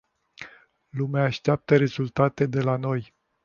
Lumea așteaptă rezultate de la noi.